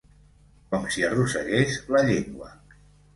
Com si arrossegués la llengua.